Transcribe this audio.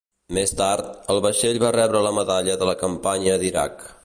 Més tard, el vaixell va rebre la Medalla de la Campanya d'Iraq.